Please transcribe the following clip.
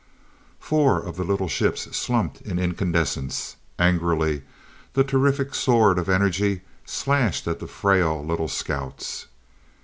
Four of the little ships slumped in incandescence. Angrily the terrific sword of energy slashed at the frail little scouts.